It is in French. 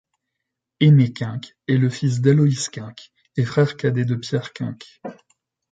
Aymé Kunc est fils d'Aloys Kunc et frère cadet de Pierre Kunc.